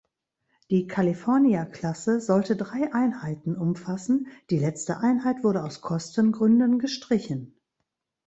Die "California-Klasse" sollte drei Einheiten umfassen, die letzte Einheit wurde aus Kostengründen gestrichen.